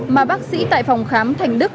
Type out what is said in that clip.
mà bác sĩ tại phòng khám thành đức